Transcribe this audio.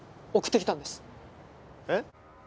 えっ？